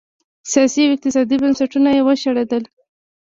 سیاسي او اقتصادي بنسټونه یې وشړېدل.